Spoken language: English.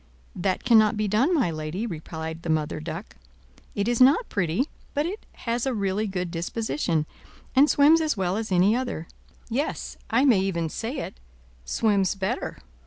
"That cannot be done, my lady," replied the Mother Duck. "It is not pretty, but it has a really good disposition, and swims as well as any other; yes, I may even say it, swims better.